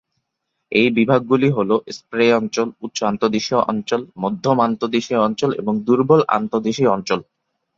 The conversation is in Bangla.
এই বিভাগগুলি হল স্প্রে অঞ্চল, উচ্চ আন্তঃদেশীয় অঞ্চল, মধ্যম আন্তঃদেশীয় অঞ্চল এবং দুর্বল আন্তঃদেশীয় অঞ্চল।